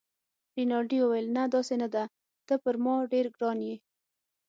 رینالډي وویل: نه، داسې نه ده، ته پر ما ډېر ګران يې.